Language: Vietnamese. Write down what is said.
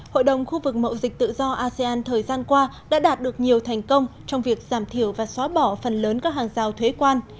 hội đồng khu vực mậu dịch tự do asean thời gian qua đã đạt được nhiều thành công trong việc giảm thiểu và xóa bỏ phần lớn các hàng rào thuế quan